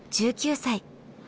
１９歳。